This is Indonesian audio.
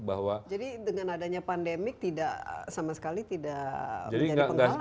jadi dengan adanya pandemi sama sekali tidak menjadi penghalang ya